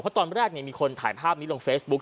เพราะตอนแรกมีคนถ่ายภาพนี้ลงเฟซบุ๊ค